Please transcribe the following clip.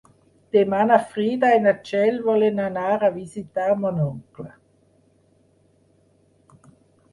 Demà na Frida i na Txell volen anar a visitar mon oncle.